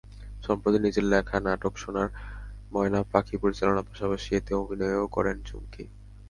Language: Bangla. সম্প্রতি নিজের লেখা নাটক সোনার ময়না পাখি পরিচালনার পাশাপাশি এতে অভিনয়ও করেন চুমকী।